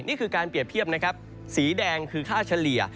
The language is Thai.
นี่คือการเปรียบเทียบนะครับสีแดงคือค่าเฉลี่ย